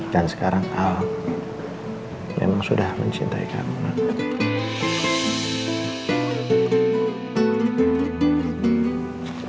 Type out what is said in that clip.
dan sekarang al memang sudah mencintai kamu al